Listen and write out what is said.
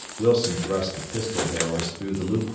Wilson thrust the pistol barrels through the loop hole.